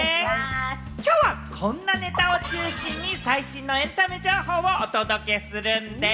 きょうはこんなネタを中心に最新のエンタメ情報をお届けするんでぃす。